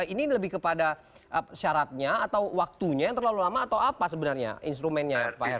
ini lebih kepada syaratnya atau waktunya yang terlalu lama atau apa sebenarnya instrumennya pak heru